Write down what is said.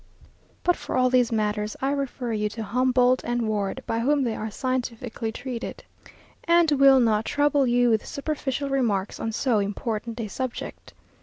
But for all these matters I refer you to Humboldt and Ward, by whom they are scientifically treated, and will not trouble you with superficial remarks on so important a subject.